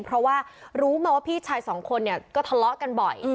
เพราะว่ารู้มาว่าพี่ชายสองคนเนี่ยก็ทะเลาะกันบ่อย